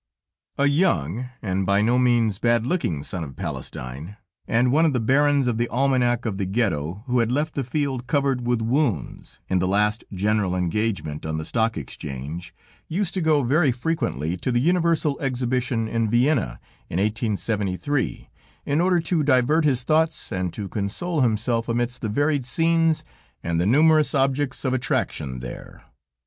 A young, and by no means bad looking son of Palestine, and one of the barons of the Almanac of the Ghetto, who had left the field covered with wounds in the last general engagement on the Stock Exchange, used to go very frequently to the Universal Exhibition in Vienna in 1873, in order to divert his thoughts, and to console himself amidst the varied scenes, and the numerous objects of attraction there.